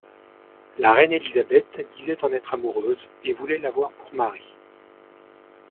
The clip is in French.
La reine Élisabeth disait en être amoureuse et voulait l'avoir pour mari.